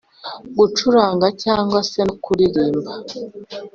gucuranga cyangwa se no kuririmba.